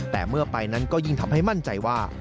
แต่เมื่อไปนั้นก็ยิ่งทำให้มั่นใจว่า